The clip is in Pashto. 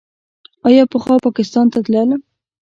آیا پخوا پاکستان ته تلل؟